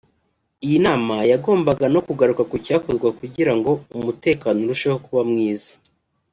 Iyi nama yagombaga no kugaruka ku cyakorwa kugira ngo umutekano urushe kuba mwiza